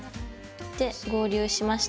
で合流しました。